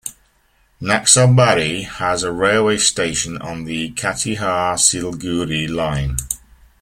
Naxalbari has a railway station on the Katihar-Siliguri line.